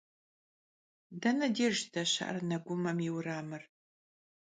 Dene dêjj zdeşı'er Negumem yi vueramır?